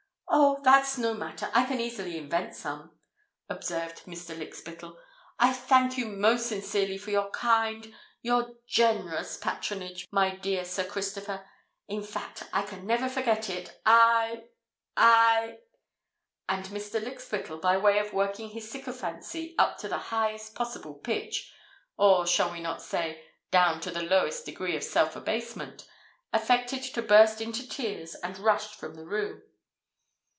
"Oh! that's no matter—I can easily invent some," observed Mr. Lykspittal. "I thank you most sincerely for your kind—your generous patronage, my dear Sir Christopher. In fact, I can never forget it—I—I——" And Mr. Lykspittal, by way of working his sycophancy up to the highest possible pitch—or, shall we not say, down to the lowest degree of self abasement—affected to burst into tears and rushed from the room.